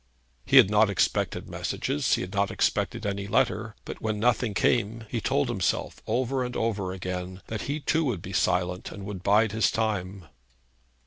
He had not expected messages. He had not expected any letter. But when nothing came, he told himself over and over again that he too would be silent, and would bide his time.